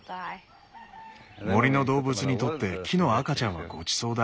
森の動物にとって木の赤ちゃんはごちそうだ。